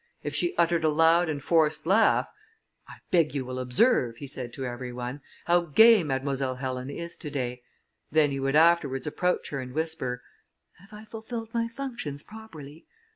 If she uttered a loud and forced laugh, "I beg you will observe," he said to every one, "How gay Mademoiselle Helen is to day:" then he would afterwards approach her and whisper, "Have I fulfilled my functions properly?